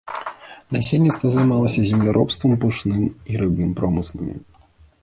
Насельніцтва займалася земляробствам, пушным і рыбным промысламі.